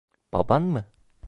Baban mı?